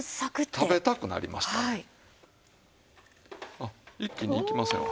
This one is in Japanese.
あっ一気にいきませんわ。